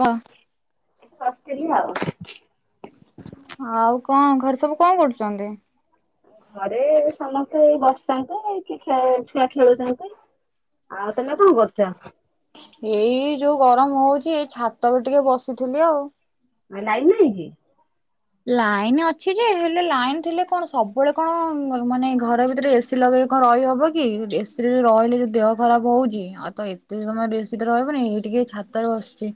କହ। ହଷ୍ଟେଲିଆ ଆଉ [unintelligible] ଆଉ କଣ ଘରେ ସବୁ କଣ କରୁଛନ୍ତି? ଘରେ ସମସ୍ତେ ବସିଛନ୍ତି କିଏ ଛୁଆ ଖେଳୁଛନ୍ତି। ଆଉ ତମେ କଣ କରଛ? ଏଇ ଯୋଉଁ ଗରମ ହଉଛି ଏଇ ଛାତରେ ଟିକେ ବସିଥିଲି ଆଉ। ଲାଇନ ନାହିଁ କି? ଲାଇନ ଅଛି ଯେ ହେଲେ ଲାଇନ ଥିଲେ କଣ ସବୁବେଳେ କଣ ମାନେ ଘର ଭିତରେ ଏସି ଲଗେଇ କଣ ରହିହବ କି ଏସିରେ ରହିଲେ ଦେହ ଖରାପ ହଉଛି ଆଉ ତ ଏତେ ସମୟରେ ଏସିରେ ତ ରହିବନି। ଟିକେ ଛାତ ରେ ବସିଛି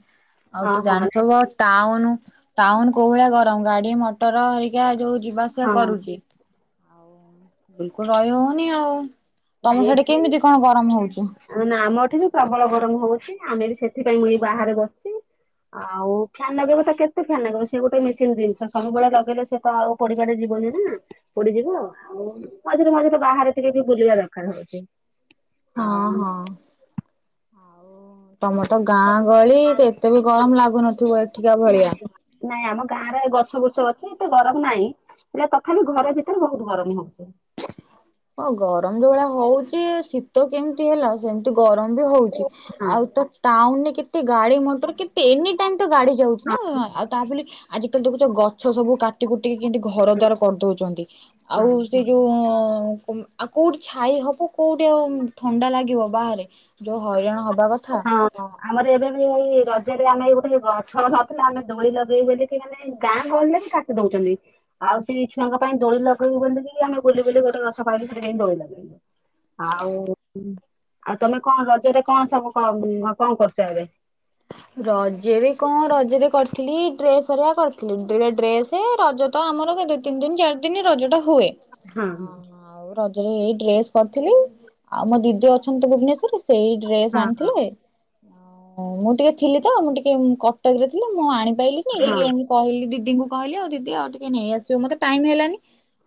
ଆଉ ହଁ ତୁ ହଁ ଜାଣିଥିବ ଟାଉନ ଟାଉନ କୋଉଁ ଭଳିଆ ଗାଡି ମଟର ହେରିକା ଯୋଉଁ ଯିବା ଆସିବା ହଁ କରୁଛି। ବିଲ୍ କୁଲ୍ ରହି ହେଉନି ଆଉ। ତମ ନାଇଁ ସେଠି ସେ କେମିତି କଣ ଗରମ ହଉଛି? ଆମ ଏଠି ବି ପ୍ରବଳ ଗରମ ହଉଛି। ଆମେ ବି ସେଥିପାଇଁ ମୁଇ ବାହାରେ ବସିଛି। ଆଉ ଫେନ ଲଗେଇବ ତ କେତେ ଲଗେଇବ ସେ ଗୋଟେ ମେସିନ୍ ଜିନିଷ ସବୁବେଳେ ଲଗେଇଲେ ସେ କଣ ଆଉ ପୋଡ଼ି ପାଡ଼ି ଯିବ। ପୋଡିଯିବ ଆଉ ମଝିରେ ମଝିରେ ବାହାରେ ଟିକେ ଟିକ ବୁଲିବା ଦରକାର ହଉଛି। ହଁ ହଁ। ତମର ତ ଗାଁ ଗହଳି ଆଉ ଏତେ ବି ଗରମ ଲାଗୁନଥିବ ଏଠିକା ଭଳିଆ। ନାଇଁ ନାଇଁ ଆମ ଗାଁରେ ଗଛ ବୁଛ ଅଛି ଏତେ ଗରମ ନାହିଁ ହେଲେ ତଥାପି ଘରେ ଭିତରେ ବହୁତ ଗରମ ହଉଛି। ଗରମ ଯୋଉଁ ଭଳିଆ ହଉଛି ଶୀତ କେମିତି ହେଲା ସେମିତି ଗରମ ହଉଛି ହଁ ଆଉ ତ ଟାଉନରେ କେତେ ଗାଡି ମଟର କେ ଏନି ଟାଇମ ତ ଗାଡି ଯାଉଛି ହଁ। ନା ଆଉ ତା ବୋଲି ଆଜିକାଲି ଦେଖୁଛ ଗଛ ସବୁ କାଟି କୁଟି ଟିକେ କେମତି ଘର ଦ୍ଵାର କରିଦଉଛନ୍ତି ହଁ ଆଉ ସେ ଯୋଉଁ ଆଉ କୋଉଁଠି ଛାଇ ହବ କୋଉଁଠି ଥଣ୍ଡା ଲାଗିବ ବାହାରେ। ଯୋଉଁ ହଇରାଣ ହବା କଥା। ହଁ ଆମର ଏବେ ଏଇ ରଜରେ ଆମେ ଏଇ ଗୋଟେ ଗଛ ନାଉଥିଲା ଆମେ ଦୋଳି ଲଗେଇ ବ ଆମେ ଗାଁ ଗହଳିରେ ବି କାଟି ଦଉଛୁ [unintelligible] ଆଉ ସେଇ ଛୁଆଙ୍କ ପାଇଁ ଦୋଳି ଲଗେଇବୁ ବୋଲି କି ଆମେ ବୁଲି ବୁଲି ଗୋଟେ ଗଛ ପାଇଲୁ ଦୋଳି ଲଗେଇଲୁ। ଆଉ ଆଉ ତମେ କଣ ରଜରେ କଣ ସବୁ କରନ୍ତି କଣ କରୁଛ ଏବେ? ଥିଲି ଡ୍ରେସ ହରିକା କରିଥିଲି ଡ୍ରେସ ରଜ ତ ଆମର ତିନି ଦିନ ଚାରି ଦିନ ରଜଟା ହୁଏ। ହଁ ହଁ ଆଉ ରଜରେ ଏଇ ଡ୍ରେସ କରିଥିଲି ଆଉ ମୋ ଦିଦି ଅଛନ୍ତି ତ ଭୁବନେଶ୍ଵରରେ। ସେଇ ଡ୍ରେସ୍ ହଁ ହଁ ଆଣିଥିଲେ ମୁଁ ଟିକେ ଥିଲି ତ ମୁଁ ଟିକେ କଟକରେ ଥିଲି ମୁଁ ଆଣିପାଇଲିିନି ଟିକେ ହଁ ମୁଁ କହିଲି ଦିଦି ଦିଦିଙ୍କୁ କହିଲି ଆଉ ଦିଦି ଆଉ ଟିକେ ନେଇଆସିବ ମତେ ଟାଇମ ହେଲାନି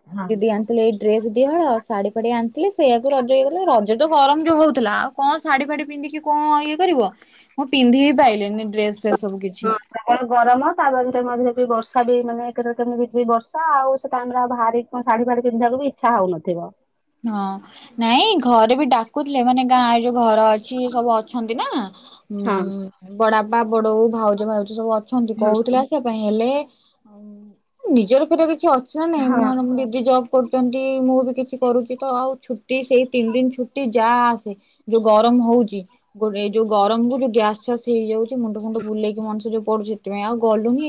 ଆଉ ହଁ। ଦିଦି ଆଣିଥିଲେ ଏଇ ଡ୍ରେସ ଦି ହଳ ଶାଢୀ ଫାଡି ଆଣିଥିଲି ସେଇଆକୁ ରଜ ହେଇଗଲା ରଜ ତ ଗରମ ଯୋଉଁ ହଉଥିଲା ଆଉ କଣ ଶାଢ଼ୀ ଫାଡି ପି ପିନ୍ଧିକି କଣ ଇଏ କରିବ ହଁ ପିନ୍ଧି ବି ପାଇଲିନି ଡ୍ରେସ ଫ୍ରେସ ସବୁ କିଛି। ହଁ କେବଳ ଗରମ ତାପରେ ମଧ୍ୟ ବି ବର୍ଷା ବି ମାନେ କେ କେମିତି ବର୍ଷା ଆଉ ସେ ଆ ଭାରି କଣ ଶାଢ଼ୀ ଫାଡ଼ି ପନ୍ଧିବାକୁ ବି ଇଛା ହେଉନଥିବ। [inaudible] ହଁ ନାଇଁ ଘରେ ବି ଡାକୁଥିଲେ ମାନେ ଗାଁ। ଘର ଅଛି ସବୁ ଅଛନ୍ତି ନା ହଁ ବଡ। ଭାଉଜ ଭାଉଜ ସବୁ ଅଛନ୍ତି ହଁ କହୁଥିଲା ସେ ପାଇଁ ହେଲେ। ନିଜର ଫଷର କିଛି ଅଛି ନା ହଁ। ନାଇଁ ଦିଦି ଜବ୍ କରୁଛନ୍ତି ମୁଁ ବି କିଛି କରୁଛି ତ ଆଉ ଛୁଟି ସେଇ ତିନି ଦିନ ଛୁଟି ଯାହା ଆସେ ଯୋଉ ଗରମ ହଉଛି ଗୋେ ଯୋଉ ଗରମ କ ଯୋଉ ଗ୍ୟାସ ଫାସ ହେଇଯାଉଛି ମୁଣ୍ଡ ଫୁଣ୍ଡ ବୁଲକିଣିଷ ଯୋଉ ପଢୁ ସେଥିାଇଁ ଆଉ ଗଲୁ ହି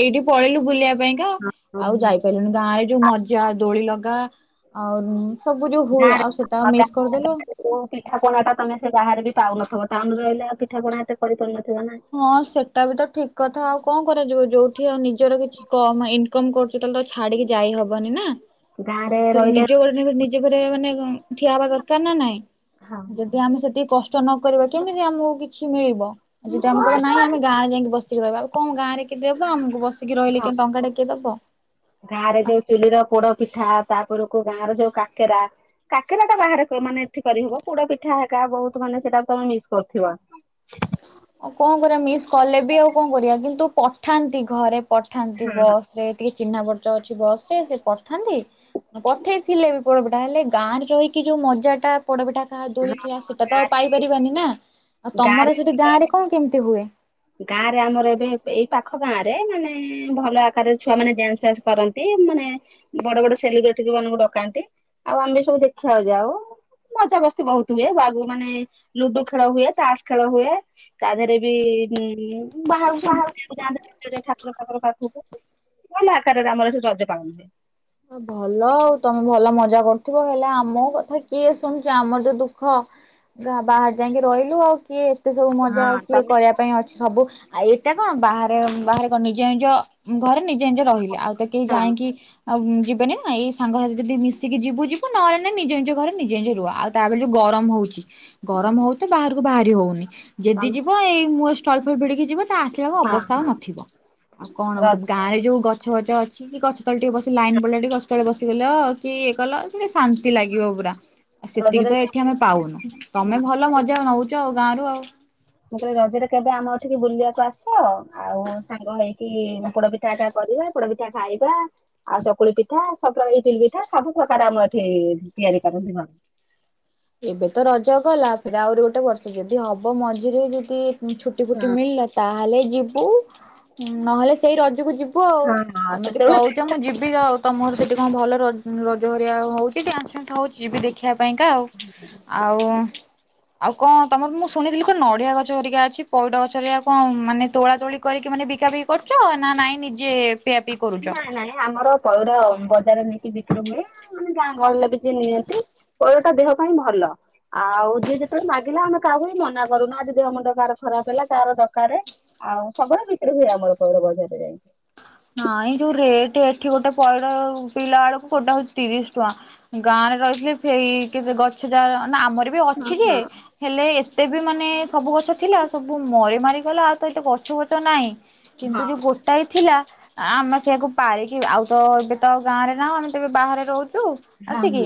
ଏଇଠି ପେଇୁ ବୁଲିବାକୁ ପାଇଁକା ଆଉ ଯାଇପାରିଲୁନି ଗାଁ ରେ ଯୋଉ ମଜା ଦୋଳି ଲଗା ଆଉ ସବୁ ଯୋଉ ହୁଏ ଗାଁରେ ଆଉ ସେଟା ମିସ୍ କରିଦେଲୁ ଗାଁରେ ଟାଉନଥବ ଟାଉନରେ ରହିଲା ପିଠାଣା ଏତେ କରିପାରୁନ ହଁ ସେଟା ବି ତ ଠିକ କଥା ଆଉ କଣ କରାଯିବ ଯୋଉଠି ଆଉ ନିଜର କିଛି କମ ଇନକମ କରୁଛି ତାହେଲେ ତ ଛାଡିକି ଯାଇହବନି ନା ଗାଁରେ ଆଉରେ ରହିଲେ ନିଜ ଗୋଡ ନିଜେ ଫରେ ମାନେ ଠିଆ ହବା ଦରକାର ନା ନାଇଁ ହଁ ଯଦି ଆମେ ସେତିକି କଷ୍ଟ ନକ କେମିତି ଆମକୁ କିଛି ମିଳିବ ଯଦି ଆମ କହ ନାହିଁ ଆମ ଗଁରୋଇକି ବସିକି ରହିବ ଆ କଣ ଗାଁରେ କିି ଦେବ ଆମ ବସ ହଁ ଗାଁ ରେ ଯୋଉ ଚୁଲିର ପୋଡ ପିଠା ତାପରକୁ ଗାଁ ର ଯୋଉ କାକେରା କାକେରା ଟା ବାହାରେ ମାନେ ଏଠି କରିହବ ପୋଡ ପିଠା ହେ ବହୁତ ମାନେ ସେଟା ତମେ ମିକ୍ସ କରୁଥିବ କଣ କରିବା ମିସ୍ କଲେ ବି ଆଉ କଣ କରିବା କିନ୍ତୁ ପଠାନ୍ତି ଘରେ ପଠାନ୍ତି ବସ ରେ ଟିକେ ଚିହ୍ନା ପଟଚ ଅଛି ବସ ରେ ସେ ପଠାନ୍ତି ପଠେଇଥିଲେ ବି ପ ପେଟା ହେଲେ ଗାଁ ରେ ରହିକି ଯୋଉ ମଜା ଟା ପଡବେଠା ା ହଁ ଦୋଳିଖଳା ସେଇଟା ତ ଆଉ ଗାଁରେ ପାଇପାରିବାନି ନା ଆଉ ତମର ସେଠି ଗାଁରେ ଗାଁ ରେ କଣ କେମିତି ହୁଏ ଗାଁ ରେ ଆମର ଏବେ ଏଇ ପାଖ ଗାଁ ରେ ମାନେ ଭଲ ଆକାରରେ ଛୁଆ ମାନେ ଜ୍ୟାନ୍ସ ଫାନ୍ସ କରନ୍ତି ମାନେ ବଡ ବଡ ସେଲିବ୍ରେଟି ମାନଙ୍କୁ ଡକାନ୍ତି ଆଉ ଆମେ ସବୁ ଦେଖିବାକୁ ଯାଉଉ ମଜା ମସ୍ତି ବହୁତ ହୁଏ ବାଗ ମାନେ ଲୁଡୁ ଖେଳ ହୁଏ ଚାଷ ଖେଳ ହୁଏ ତା ଦେହରେ ବି ହୁଁ ବାହାରକୁ ସବୁକୁ ଯା ପାଖକୁ ଭଲ ଆକାରରେ ଆମର ସେ ରଜ ପାଳନ ହୁଏ ଭଲ ଆଉ ତମେ ଭଲ ମଜା କରୁଥିବ ହେଲେ ଆମ କଥା କିଏ ଶୁଣିୁଛି ଆମର ଯୋଉ ଦୁଃଖ ବାହାରେ ଯାଇକି ରହିଲୁ ଆଉ କିଏ ଏତେ ସବୁ ମଜା ଆଉ ହଁ କିଏ ତମେ କରିବା ପାଇଁ ଅଛି ସବୁ ଆଉ ଏଇଟା କଣ ବାହାରେ ବାହ ନିଜ ନିଜ ଘରେ ନିଜେ ନିଜେ ରହିଲେ ଆଉ ତ କେହି ହଁ ଯାଇକି ଆଉ ଯିବେନି ଏଇ ସାଙ୍ଗସାଥି ଯଦି ମିଶିକି ଯିବୁ ଯିବୁ ନହେଲେ ନା ନିଜ ନିଜ ଘରେ ନିଜେ ନିଜେ ରୁଆ ଆଉ ତାରେ ଯଉ ଗରମ ହେଉଛି ଗରମ ହେଉ ତ ବାହାରକୁ ବାହାରି ହେଉନି ଯଦି ତମେ ଯିବ ଏଇ ମୋ ଷ୍ଟଲ ପ ଭିଡିକି ଯିବ ଆସିଲକୁ ହଁ ଅବସ୍ଥା ନଥିବ ଆଉ କଣ ହଁ ଗାଁରେ ଯୋଉ ଗଛ ଗଛ ଅଛି କି ଗଛ ତ ଟିକ ସେ ଲାଇନ୍ ପଡିଲା ଟିକେ ଗସ୍ତୁାଳେ ବସିଗଲ କି ଇଏ କଲ େ ଶାନ୍ତି ଲାଗିବ ପୁରା ଆ ସେତିକି ରଜରେ ତ ଏଠି ଆମେ ପାଉନୁ ତମେ ଭଲ ମଜା ନଉଛ ଗାରୁ ଆଉ ମୁଁ କହିଲି ରଦିରେ କେବେ ଆମ ଏଠିକି ବୁଲିବାକୁ ଆସ ଆଉ ସାଙ୍ଗ ହେଇକି ପୋଡ଼ ପିଠାଠା କରିବା ପୋଡ ପିଠା ଖାଇବା ଆଉ ଶକୁଳି ପିଠା ସ ଏଇ ତିଲ ପିଠା ସବୁ ପ୍ରକାର ଆମର ଏଠି ତିଆରି କରିବା ବିବା ଏବେ ତ ରଜ ଗଲା ଫେରେ ଆହୁରି ଗୋଟେ ବର୍ଷ ଯଦି ହବ ମଝିରେ ଯଦି ଛୁଟି ଫୁଟି ହଁ। ମିଳିଲା ତାହେଲେ ଯିବୁ ନହେଲେ ସେଇ ରଜକୁ ଯିବୁ ଆଉ ହଁ ହଁ ତମେ ଟ ସେତେବେଳେ କହୁଛ ମୁଁ ଯିବି ଆଉ ତମ ଘରଠ େ କଣ ଭଲ ରଜହରଆ ହଉଛି ଯ୍ୟାନ୍ସ ଫାନ୍ସ ହଉଛି ଯିବି ଦେଖିବା ପାଇଁକା ଆଉ ଆଉ ଆଉ କଣ ତମର ମୁଁ ଶୁଣିଥିଲି କଣ ନଡିଆ ଗଛ କରିକା ଅଛି ପଇଡ ଗଛରିକା କଣ ମାନେ ତୋଳା ତୋଳି କରିକି ମାନେ ବିକାାବିକି କରୁଛ ନା ନାଇଁ ନିଜେ ପିଆ ପିଇ କରୁଛ? ନା ନାଇଁ ଆମର ପଇଡ ବଜାର ନେଇକି ବିକିରି ହୁଏ ମାନେ ଗାଁ ଗହଳି ରେ। କିଛି ନିଅନ୍ତି ପଇଡ ଟା ଦେହ। ପଇଁ ଭଲ ଆଉ ଯିଏ ଯେତେବେଳେ ମାଗିଲା ଆମେ କାହାକୁ ବି ମନା କରୁନା ଆଜିି ଦେହ ମଣ୍ଡ କାର ଖରାପ ହେଲା କାର। ଦକାରେ ଆଉ ସବୁବେଳେ ବିକିରୀ ହୁଏ ଆମର ପଇଡ ବଜାରରେ ଯାଇକି। ନାଇଁ ଯୋଉ ରେଟ ଏଠି ଗୋଟେ ପଇଡ ପିଇଲା ବେଳକୁ ଗୋଟା ହଉଛି ତିରିଶ ଟଙ୍କା ଗାଁ ରେ ରହି। ସେଇ କି ଗଛ ଯାର ଆମର ବି ଅଛି ଯେ ହେଲେ ଏତେ ବି ମାନେ। ସବୁ ଗଛ ଥିଲା ସବୁ ମରି ମାରି ଗଲା ଆଉ ତ ଏତେ ଗଛ ବଛ ନାହିଁ କିନ୍ତୁ ହଁ। ଯୋଉ ଗୋଟାଏ ଥିଲା। ଆମେ ସେଇଆକୁ ପାରିକି ଆଉ ତ ଏବେ ତ ଗାଁ ରେ ନାଁହୁ ଆମେ ତେବେ ବାହାରେ ରହୁଛୁ। ଛୁ ହଁ ହଁ। ଆସିକି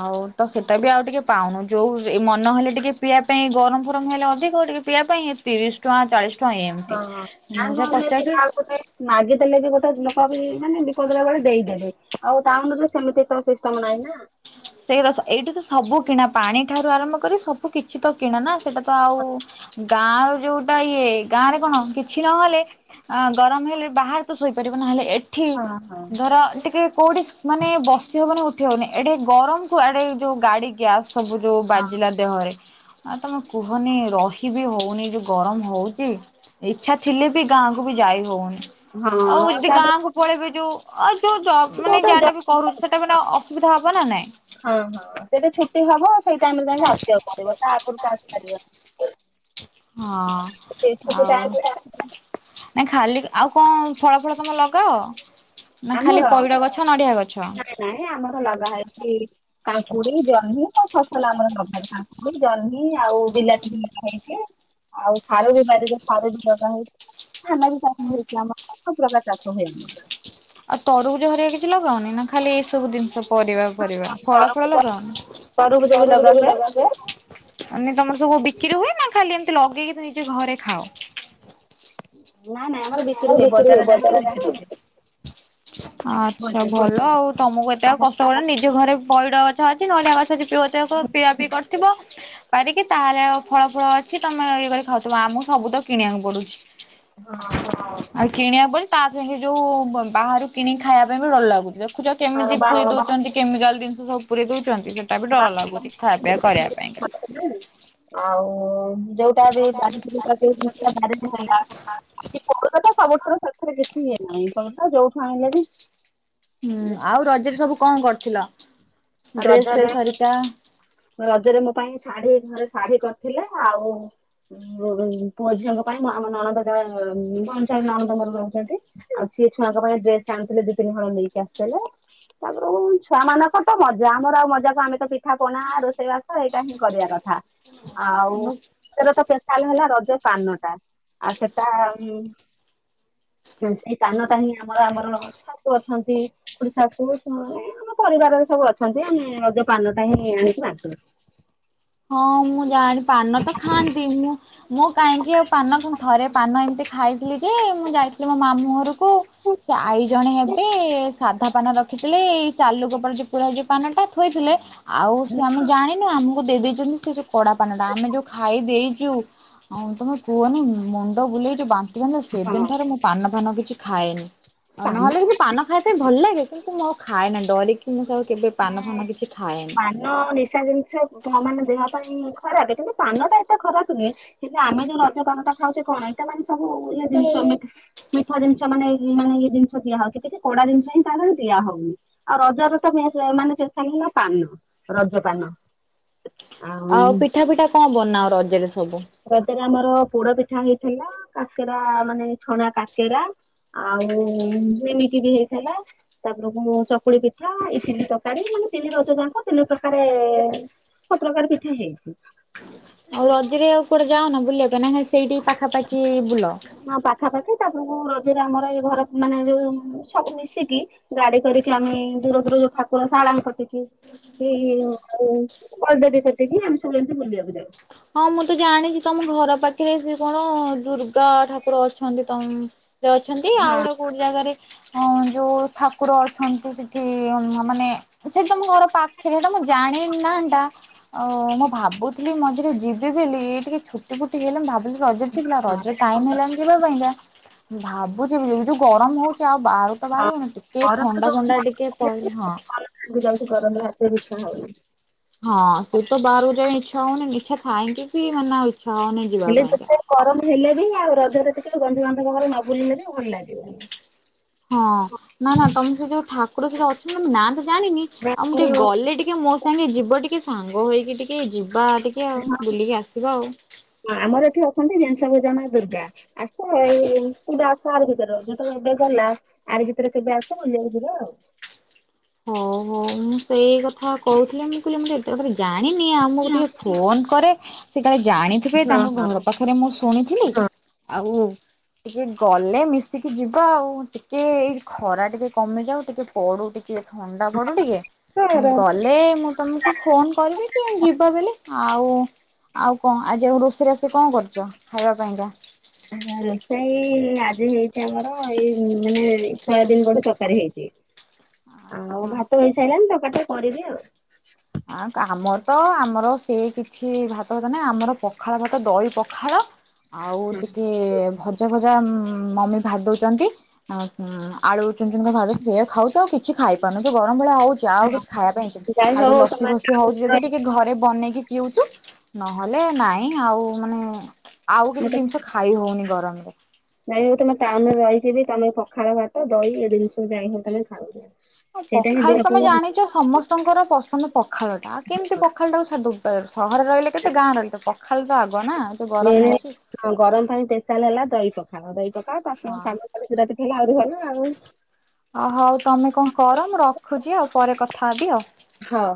ଆଉ। ତ ସେଟା ବି ଆଉ ଟିକେ ପାଉନୁ ଯୋଉ ଏ ମନ ହେଲେ ଟିକେ ପିଇବା ପାଇଁ ଗରମ ଫରମ ହେଲେ ଅଧିକ ଆଉ ଟିକେ ପିଇବା ପାଇଁ। ତିରିଶ ଟଙ୍କା ଚାଳିଶ। ଟଙ୍କା ଏମିତି ହଁ ହଁ ଗାଁ ମୁଁ ସେୟା ଗହଳି ରେ ବି ପଚାରୁଛି ଆଉଟେ ଥାଏ ମାଗିଦେଲେ ବି ଗୋ ଲୋକ ବି ମାନେ ବିପଦରେ ବେଳେ ଦେଇଦେବେ ଆଉ ଟାଉନରେ ସେମିତି ତ ସିଷ୍ଟମ ନାହିଁ ନା। ହଁ ସେଇରା ଏଇଠି ତ ସବୁ କିଣା ପାଣି ଠାରୁ ଆରମ୍ଭ କରି ସବୁ କିଛି ତ କିଣା ନା ସେଇଟା ତ ଆଉ। ଗାଁ ର ଯୋଉଟା ଇଏ। ଗାଁ ରେ କଣ କିଛି ନହେଲେ ଗରମ ହେଲେ ବାହାରେ ତ ଶୋଇପାରିବ ନହେଲେ ଏ ଏଠି ହଁ ହଁ। ଧର ଟିକେ କୋଉଠି ମାନେ ବସି ହବନ ଉଠି ହବନି। ଏଠେ ଗରମ କୁ ଆଡେ ଯୋଉ ଗାଡି ଗ୍ୟାସ ସବୁ ଯୋଉ ହଁ ବାଜିଲା ଦେହରେ। ଆଁ ତମେ କୁହନି ରହିିବି ହଉନି ଏ ଯୋଉ ଗରମ ହଉଚି ଇଚ୍ଛା ଥିଲେ ବି ଗାଁକୁ ବି ଯାଇ ଜାଇ ହଉନି। ଆଉ ହଁ ଯଦି ଗାଁ ତାପରେ କୁ ପଳେଇବେ ଯୋଉ ଆଉ ଯୋଉ ଜବ ମାନେ କୋଉଟା ଯା ଟା ଜ ବି କରୁଛି ସେଟା ମାନେ ଅଶୁ ହଁ ହଁ ସେଟା ଛୁଟି ହବ ସେ। ଟାଇମିରେ ଯାଇକି ଆସିବାକୁ ପଡିବ ତା ଆଗରୁ ତ ଆସିପାରିବନି। ସେଇ ହଁ ଛୁଟି ଆଉ ନା ଟାଇମରେ ଖା କଇଲି କି ଆଉ କଣ ଫଳ ଫଳ ତମର ଲଗାଅ। ନା ଖାଲି ଆମର ପଇଡ଼ ଗଛ ନଡ଼ିଆ ଗଛ। ନାଇଁ ନାଇଁ ଆମର ଲଗା ହେଇଛି। କାକୁଡି ଜହ୍ନି ସବୁ ଫସଲ ଆମର ଲଗା ଯାଏ କାକୁଡି ଜହ୍ନି ଆଉ ବିଲାତି ବି ଲଗା ହେଇଛି। ଆଉ ସାରୁ ବି ବାରି ରେ ସାରୁ ଲଗା ହେଇଛି। ଧାନ ବି ଚାଷ ହେଇଛି ଆମର ସବୁ ପ୍ରକାର ଚାଷ ହୁଏ ଆମର। ଆଉ ତରଭୁଜ ହରିକା କିଛି ଲଗାଅନି ନା ଖାଲି ଏଇ ସବୁ ଜିନିଷ ପରିବା ପରିବା ଫଳ ଫଳ ତରଭୁଜ ଲଗାଅ ନି। ତରୁଭୂଜ ବି ଲଗା ଯାଏ ମାନେ ତମର ସବୁ ବିକିରି ହୁଏ। ନା ଖାଲି ଏମତି ଲଗେଇକି ତ ନିଜ ଘରେ ଖାଅ। ନା। ନାଇ ବୀକିରି ହୁଏ ବଯାରରେ ଯାଇକି ବି ଆଚ୍ଛା ବଜାର ଭଲ ଆଉ ତମକୁ ଏତେ ଆଉ କଷ୍ଟ ପଡି ବନି ନିଜ ଘରେ। ପଇଡ ଗଛ ଅଛି ନଡ଼ିଆ ଗଛ ଅଛି ପିଆ ପିଇ କରୁଥିବ। ପାରିକି ତାହେଲେ ଆଉ ଫଳ ଫଳ ଅଛି ତମେ ଇଏ କରି ଖାଉଥିବ ଆମକୁ ସବୁ ତ କିଣିବାକୁ ପଡୁଛି। ଆଉ କିଣିବା ପରେ ତା ସେ ଯୋଉ ବାହାରୁ କିଣିକି ଖାଇବା ପାଇଁ ବି ଡର ଲାଗୁଛି। ଦେଖୁଛ ଆମ କେମିତି ବା ପରେଇ ଦଉଛନ୍ତି କେମିକାଲ ଜିନିସ ସବୁୁ ପୁରେଇ ଦଉ ଛନ୍ତି ସେଟା ବି ବା ଡର ଲାଗୁଛି ଖାଇବା ପିଇବା କରିବା ପାଇଁକା। ଆଉ ଯୋଉଟା ବାରି [unintelligible] ସେଥିରେ କିଛି ଇଏ ନାହିଁ ଯୋଉଟା ଯୋଉଠୁ ଆଇଁଲେବି। ହୁଁ ଆଉ ରଜ ରେ ସବୁ କଣ କରିଥିଲ। ଡ୍ରେସ ରଜରେ ଫ୍ରେସ୍ ହରିକା? ରଜରେ ମୋ ପାଇଁ ଶାଢୀ କରେ ଶାଢୀ କ ରିଥିଲେ ଆଉ ପୁଅ ଝିଅଙ୍କ ପାଇଁ ଆମ ନଣନ୍ଦ ତା ଭୋନଶର ନଣନ୍ଦ। ଙ୍କର ଦଉଛନ୍ତି। ଆଉ ସିଏ ଛୁଆଙ୍କ ପାଇଁ ଡ୍ରେସ ଆଣିଥିଲେ ଦିଇ ତିନି ହଳ ନେଇକି ଆସିଥିଲେ ତାପରୁକୁ ଛୁଆ ମାନଙ୍କର। ର ତ ମଜା ଆମର ଆଉ ମଜାକୁ ଆମେ ତ ପିଠା ପଣା ରୋଷେଇବାସ ଏଇଟା ହିଁ କରିବା କଥା। ଆଉ ରଜ ରେ ତ ତାଲ ହେଲା ରଜ ପାାନ ଟା ଆଉ ସେଟା ହ ସେଇ ତାନଟା ହିଁ ଆମର ଆମର ଶାଶୁ ଅଛନ୍ତି କ ଶାଶୁେ ଆମ ପରିବାର ସବୁ ଅଛନ୍ତି ଆମେ ରଜ ପାନ ଟା ହିଁ ଆଣିକି ବାଣ୍ଟୁ। ହଁ ମୁଁ ଜାଣ ପାନ ତ ଖାଆନ୍ତି ମୁଁ ମୁଁ କାହିଁକି ଆଉ ପାନ ଥରେ ପାନ ଏମିତି ଖାଇଥିଲି ଯେ ମୁଁ ଯାଇଥିଲି ମୋ ମାମୁଁ ଘରକୁ ସେ ଆଈ ଜଣେ ହେବେ ସାଧା ପାନ ରଖିଥିଲେ ଏଇ ଚାଲୁଗୋପାଳ ଉପର ଯ ପୁରା ଯୋଉ ପାନ ଟା ଥୋଇଥିଲେ। ଆଉ ସେ ଆମେ ଜାଣିନୁ ଆମକୁ ଦେଇ ଦେଇେଇଚନ୍ତି ସେ କଡା ପାନ ଟା ଆମେ ଯୋଉ ଖାଇ ଦେଇେଚୁ। ହଉ ତମେ କୁହନି ମୁଣ୍ଡ ବୁଲେଇ ଯୋଉ ବା ସେଦିନ ହଁ ଠାରୁ ମୁଁ ପାନ ଫାନ କିଛି ଖାଏନି ଆଉ ପାନ ନହେଲେ କିଛି ପାନ ଖାଇବା ପାଇଁ ଭଲ ଲାଗେ କି ମୁଁ ଆଉ ଖଏ ନା ଡରିକି ମୁଁ ସେ ପାନ ନିଶା ଜିନିଷ ମାନେ ଦେହ ପାଇଁ ଖରାପ କିନ୍ତୁ ପାନ ଟା ଏତେ ଖରାପ ନୁହେଁ କିନ୍ତୁ ଆମେ ଯୋଉ ରଜ ପାନ ଟା ଖାଉଚେ କଣ ଏଇଟା ମାନେ ସବୁ ଜିନିଷ ମିଠା ଜିନିଷ ମାନେ ମାନେ ଏଇ ଜିନିଷ ଦିଆ ହଉଚି କିଛି କଡା ଜିନିଷ ହିଁ ତା ଦେହରେ ଦିଆ ହଉନି। ଆଉ ରାଜରେ ତ ସ୍ପେସିଆଲ ହେଲା ପାନ ରଜ ପାନ। ଆଉ ପିଠା ପିଠା କଣ ବନାଅ ରଜରେ। ସବୁ? ରଜ ରେ ଆମର ପୋଡ ପିଠା ହେଇଥିଲା କାକେରା ମାନେ ଛଣା କାକେରା ଆଉ ଏମିତି। ବି ହେଇଥିଲା ତାପର ଚକୁଳି ପିଠା ଏଟିଲି ତରକାରୀ ମାନେ ତିନି ରଜ ଯାକ ତିନି ପ୍ରକାର ସ ପ୍ରକାର ପିଠା ହେଇଚି। ଆଉ ରଜରେ ଆଉ କୁଆଡେ ଯାଅ ନା ବୁଲିବାକୁ ନା ସେଇଠି ପାଖାପାଖି ବୁଲ। ରଜ ରେ ଆମର ଏ ଘର ମାନେ ଯୋଉ ସବୁ ମିଶିକି ଗାଡି କରିକି ଆମେ ଦୂର ଦୂର ଠାକୁର ସ [unintelligible] କତିକି କି ଆଉ ବଳଦେବୀ କତିକି ଆମେ ସବୁ ଯେମତି ବୁଲିବାକୁ ଯାଉ। ହଁ ମୁଁ ଟିକେ ଆଣିକି ତମ ଘର ପାଖରେ ସେ କଣ ଦୁର୍ଗା ଠାକୁର ଅଛନ୍ତି ତ ଅଛନ୍ତି ଆଉ ଗୋଟେ ହଁ କୋଉଠି ଜାଗାରେ ଅ ଯୋଉ ଠାକୁର ଅଛନ୍ତି ସେଠି ମାନେ ସେଠି ତମ ଘର ପାଖରେ ସେଟା ମ ଜାଣିନି ନାଟା ଓ ମୁଁ ଭାବୁଥିଲି ମଝିରେ ଯିବି ବୋଲି ଟିକେ ଛୁଟି ଫୁଟି ହେଲେ ମୁ ଭାବିଲି ରଜରେ ଯିବି ରଜ ହଁ ଟାଇମ ହେଲାନି ଯିବା ପାଇଁକା। ଭାବୁଛି ଏଇ ଯୋଉ ଗରମ ହଉ ବାହାରକୁ ତ ବାହାରିହେଉନି ଟିକେ ଗରମରେ ଥଣ୍ଡା ଥଣ୍ଡା ଟିକେ ପଇଲେ ହଁ। ଯୋଉ ଯାଉଛି ଗରମରେ ହାତ ବିଛା ହଉନି। ହଁ ସେ ତ ବାହାରାରୁକୁ ଯାବାପାଇଁ ଇଚ୍ଛା ହଉନି ଇଚଛା ଥାାଇକି ବି ମାନେ ଇଚ୍ଛା ହୋଇନି ଯିବା ହେଲେ ପାଇଁକା। ଯେତେ ଗରମ ହେଲେ ବି ଆଉ ରଜରେ ଟିକେ ବନ୍ଧୁ ବାନ୍ଧବ ଘର ନ ବୁଲିଗନେ ଭଲ ଲାଗିବନି। ହଁ ନା ନା ତମେ ସେ ଯୋଉ ଠାକୁର ସେଟା ଅଛନ୍ତି ତମେ ନା ତ ଜାଣିନି ଆଉ ମୁଁ ଆମର ଟିକେ ଗଲେ ଟିକେ ମୋ ଯିବ ଟିକେ ସାଙ୍ଗ ହେଇକି ଟିକେ ଯି ବା ଟିକେ ଆଉ ବୁଲିକି ଆସିବା ଆଉ। ଦଶ ଭୂଜା ମା ଦୁର୍ଗା ଆସ ଏଇ ଦଶ ବାର ଭିତରେ ରାଜ ତ ଏବେ ଗଲା ଆର ଭିତରେ ତ। କେବେ ଆସ ବୁଲିବାକୁ ଯିବା ଆଉ। ଓ ହୋ ମୁଁ ସେଇ କଥା କହୁଥିଲି ମୁଁ କହୁଥିଲି ମୁଁ ଏତେ [unintelligible] ଯାଏ ଣୀନି ଆଉ ମୁଁ ଟିକେ ଫୋନ କରେ। ତା ଜାଣିଥିବେ ହଁ ତାଙ୍କ ହଁ। ଘର ପାଖରେ ମୁଁ ଶୁଣିଥିଲି ଆଉ ଟିକେ ଗଲେ ମିଶିକି ଯିବା ଆଉ ଟିକେ ଏଇ ଖରା ଟିକେ କମି ଯାଉ ଟିକେ ପଡୁ ଟିକେ ଟିକେ ଥଣ୍ଡା ପଡୁ ଟିକେ ମୁଁ ତାର ଗଲେ ମୁଁ ତମକୁ ଫୋନ କରିବି କି ଯିବା ବୋଲି ଆଉ ଆଉ କଣ ଆଜି ରୋଷେଇ ରାଷି କଣ କରିଚ ଖାଇବା ପାଇଁକା। ରୋଷେଇ ଆଜି ହେଇଛି ଆମର ଏଇ ମାନେ ସୋୟାବିନ ବଡେ ତରକାରୀ ହେଇଚି। ଆଉ ହଁ ଭାତ ହେଇସାରିଲଣି ତରକା ଟା କରିବି ଆଉ। ଆ ଆମର ତ ଆମର ସେ କିଛି ଭାତ ଫାତ ନା ଆମର ପଖାଳ ଭାତ ଦହି ପଖାଳ ଆଉ ଟିକେ ଭଜା ମମି ଭାଜୁ ଛନ୍ତି ଆଳୁ ଚୁଛି ଖାଉଛି ଆଉ କିଛି ଖାଇ ପାରୁୁ ଭଳି ହଉଛି ଆଉ କିଛି ଖାଇବା ପାଇଁ ଯାଇ ଆଉ ଟିକେ ହଉ ଲସି ତମେ ଫସି ହଉଛି ଯଦି ଟିକେ ଘରେ ବନେଇକି ପିଉଛୁ ନହେଲେ ନାଇଁ ଆଉ ମାନେ ଆଉ କିଛି ଜିନିଷ ଖାଇ ହେଉନି ଗରମ ଯାଇ ହଉ ତମେ ଟାଉନ ରେ ରହିଥିବି ତମେ ପଖାଳ ଭାତ ଦହି ଏ ଜିନିଷ ଯାଇ ହଉ ତମେ ଖାଉଛ ସେଇଟା ହିଁ ପଖାଲ ଦେହ ତମେ ପାଇଁ ଜାଣିଛ ସମସ୍ତଙ୍କର ପସନ୍ଦ ପଖାଳ ଟା କେମିତି ପଖାଳ ଟାକୁ ଛାଡି ଦେବୁ ସହର ରହିଲେ କେତେ ଗାଁ ରହିଲେ ପଖାଲ ତ ଆଗ ନା ତ ମେନ୍ ଗରମ ହଉଛି ହଁ ଗରମ ପାଣି ସ୍ପେସାଲ ହେଲା ଦହି ପଖାଳ ଦହି ପଖା ତା ହଁ ସାଙ୍ଗ ଦୁରାତି ଖେଲା ଆହୁରି ଭଲ ଆଉ ଅ ହଉ ତମେ କଣ କର ମୁଁ ରଖୁଛି ଆଉ ପରେ କଥା ହେବି ଆଉ ହଁ।